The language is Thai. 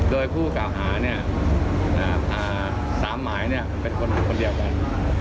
โดยผู้กล่าวหา๓หมายเป็นคนเดียวกัน